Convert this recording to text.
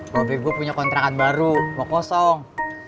mobil gue punya kontrakan baru mau kosong